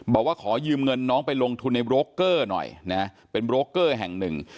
บอกว่าขอยืมเงินน้องไปลงทุนในโบรกเกอร์หน่อยนะเป็นโบรกเกอร์แห่งหนึ่ง